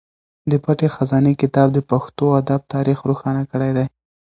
د پټې خزانې کتاب د پښتو ادب تاریخ روښانه کړی دی.